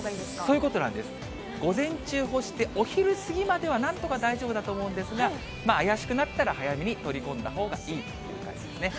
午前中干して、お昼過ぎまではなんとか大丈夫だと思うんですが、怪しくなったら早めに取り込んだほうがいいという感じですね。